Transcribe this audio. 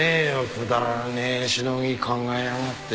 くだらねえシノギ考えやがって。